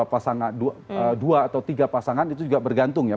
pasangan dua atau tiga pasangan itu juga bergantung ya